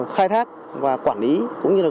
khai thác và quản lý cũng như là